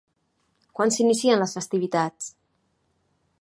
Quan s'inicien les festivitats?